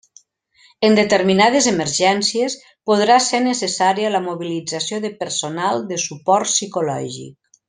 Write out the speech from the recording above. En determinades emergències, podrà ser necessària la mobilització de personal de suport psicològic.